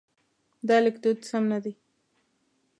دا لیکدود سم نه دی.